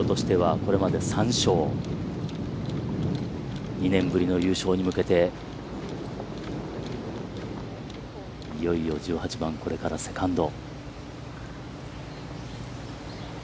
２年ぶりの優勝に向けて２年ぶりの優勝に向けていよいよ、１８番、これからセカンド。